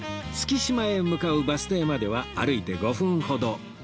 月島へ向かうバス停までは歩いて５分ほど